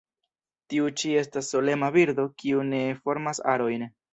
Tiu ĉi estas solema birdo kiu ne formas arojn.